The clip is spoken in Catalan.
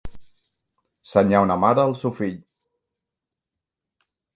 Senyar una mare el seu fill.